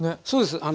そうです。